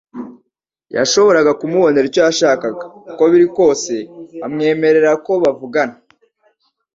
yashobora kumubonera icyo yashakaga; uko biri kose amwemerera ko bavugana,